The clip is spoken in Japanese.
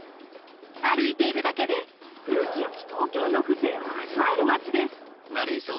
歩いているだけで古き良き東京の風情を味わえる街です。